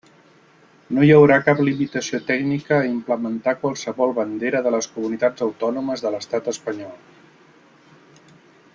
No hi haurà cap limitació tècnica a implementar qualsevol bandera de les comunitats autònomes de l'estat espanyol.